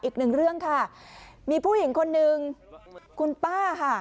อีกหนึ่งเรื่องค่ะมีผู้หญิงคนหนึ่งคุณป้าค่ะ